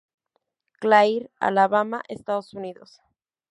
Clair, Alabama, Estados Unidos.